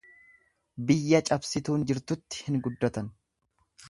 Biyya cabsituun jirtutti hin guddatan.